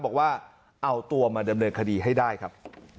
บอกว่าเอาตัวมาดำเนินคดีให้ได้ครับ